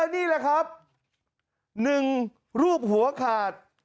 นี่แหละครับ๑รูปหัวขาด